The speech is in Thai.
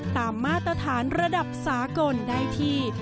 มาตรฐานระดับสากลได้ที่